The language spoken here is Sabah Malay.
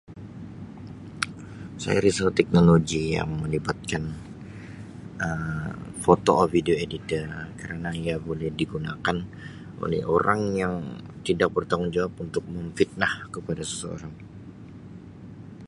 Saya risau teknologi yang melibatkan Um foto or video editor kerana ia boleh digunakan oleh orang yang tidak bertanggungjawab untuk memfitnah kepada seseorang.